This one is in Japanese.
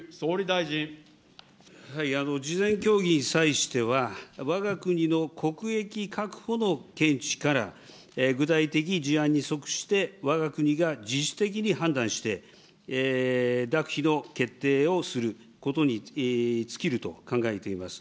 事前協議に際しては、わが国の国益確保の見地から、具体的事案に即して、わが国が自主的に判断して、諾否の決定を判断することに尽きると考えています。